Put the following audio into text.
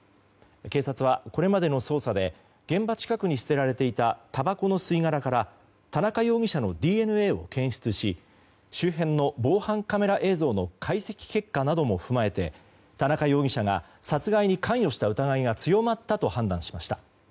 警察は、これまでの捜査で現場近くに捨てられていたたばこの吸い殻から田中容疑者のＤＮＡを検出し周辺の防犯カメラ映像の解析結果なども踏まえて田中容疑者が殺害に関与した疑いが強まったと判断しました。